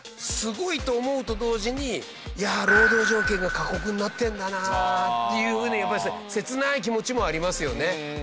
すごいと思うと同時に労働条件が過酷になってるんだなっていう風にやっぱり切ない気持ちもありますよね。